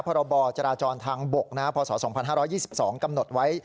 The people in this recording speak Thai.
พรบจราจรทางบกพศ๒๕๒๒กำหนดไว้